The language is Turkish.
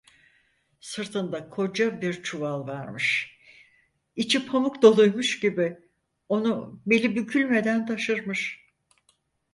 Sırtında koca bir çuval varmış, içi pamuk doluymuş gibi onu beli bükülmeden taşırmış.